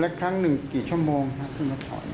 อ๋อแล้วครั้งหนึ่งกี่ชั่วโมงค่ะขึ้นมาถอน